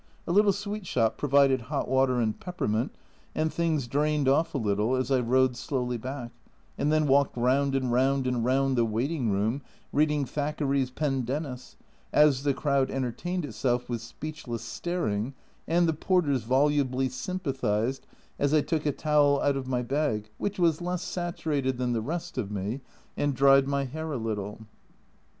A little sweet shop provided hot water and peppermint, and things drained off a little as I rode slowly back, and then walked round and round and round the waiting room reading Thackeray's Pendennis, as the crowd enter tained itself with speechless staring, and the porters volubly sympathised as I took a towel out of my bag, which was less saturated than the rest of me, and dried my hair a little.